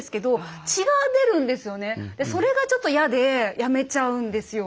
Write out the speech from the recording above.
それがちょっと嫌でやめちゃうんですよ。